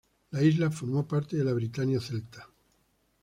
La isla formó parte de la britania celta.